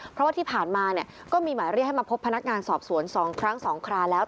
เพราะว่าที่ผ่านมาเนี่ยก็มีหมายเรียกให้มาพบพนักงานสอบสวน๒ครั้ง๒คราแล้ว